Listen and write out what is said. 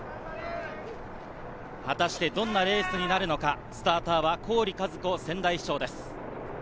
果たしてどんなレースになるのか、スターターは郡和子仙台市長です。